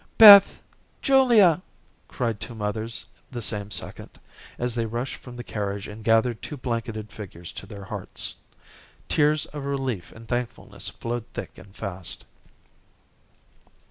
"Beth Julia," cried two mothers the same second, as they rushed from the carriage and gathered two blanketed figures to their hearts. Tears of relief and thankfulness flowed thick and fast.